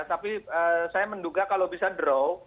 tapi saya menduga kalau bisa draw